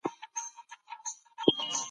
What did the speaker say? مور د ماشوم د پاکۍ وسايل برابروي.